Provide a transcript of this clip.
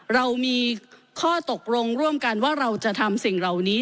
เรามีข้อตกลงร่วมกันว่าเราจะทำสิ่งเหล่านี้